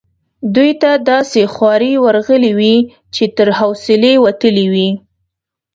دوی ته داسي خوارې ورغلي وې چې تر حوصلې وتلې وي.